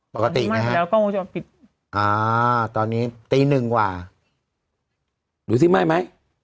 ปกติไหมฮะ